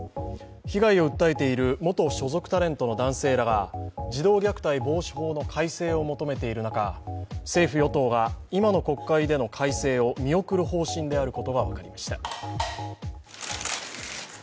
被害を訴えている元所属タレントの男性らが児童虐待防止法の改正を求めている中、政府・与党が今の国会での改正を見送る方針であることが分かりました。